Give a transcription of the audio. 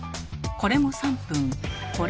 これも３分。